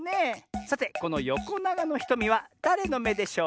さてこのよこながのひとみはだれのめでしょうか？